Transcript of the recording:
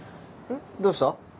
どうした？